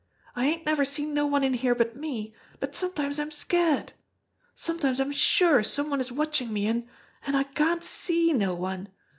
I ain't never seen no one in here but me, but some times I'm scared. Sometimes I'm sure some one is watchin' me an' an' I can't see no one.